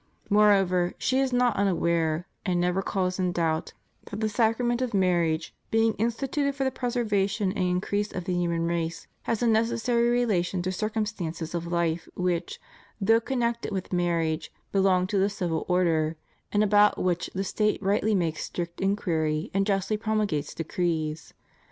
. "Moreover, she is not unaware, and never calls in doubt, that the Sacrament of Marriage, being instituted for the preservation and increase of the human race, has a necessary relation to circumstances of life which, though connected with marriage, belong to the civil order, and about which the State rightly makes strict inquiry and justly promulgates decrees.